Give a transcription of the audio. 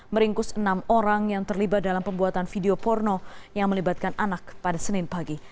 meringkus enam orang yang terlibat dalam pembuatan video porno yang melibatkan anak pada senin pagi